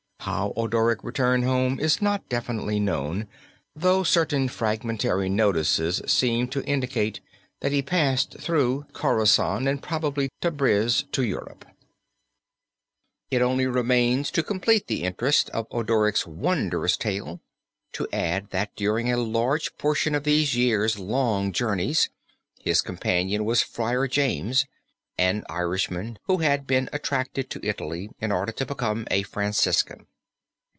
How Odoric returned home is not definitely known, though certain fragmentary notices seem to indicate that he passed through Khorasan and probably Tabriz to Europe. It only remains to complete the interest of Odoric's wondrous tale to add that during a large portion of these years' long journeys his companion was Friar James, an Irishman who had been attracted to Italy in order to become a Franciscan.